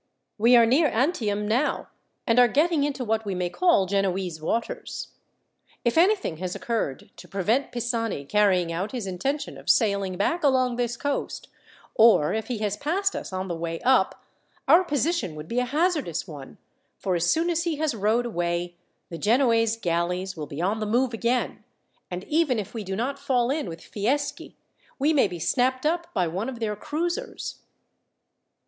"We are near Antium now, and are getting into what we may call Genoese waters. If anything has occurred to prevent Pisani carrying out his intention of sailing back along this coast, or if he has passed us on the way up, our position would be a hazardous one, for as soon as he has rowed away the Genoese galleys will be on the move again, and even if we do not fall in with Fieschi, we may be snapped up by one of their cruisers."